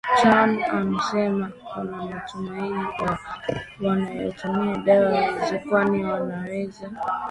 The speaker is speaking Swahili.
Chan amesema kuna matumaini kwa wanaotumia dawa hizo kwani wanaweza